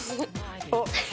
あっ。